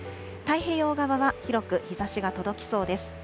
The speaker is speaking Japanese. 太平洋側は広く日ざしが届きそうです。